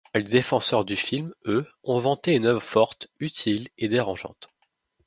Les défenseurs du film, eux, ont vanté une œuvre forte, utile et dérangeante.